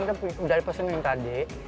tapi dari pesen yang tadi